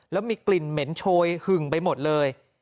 แล้วมีกลิ่นเหม็นโชยหึ่งไปหมดเลย